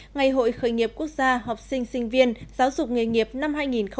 ngày hội khởi nghiệp quốc gia học sinh sinh viên giáo dục nghề nghiệp năm hai nghìn hai mươi